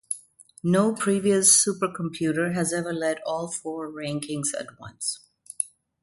No previous supercomputer has ever led all four rankings at once.